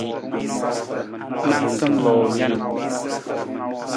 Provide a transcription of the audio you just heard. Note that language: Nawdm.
Nanta loo nan.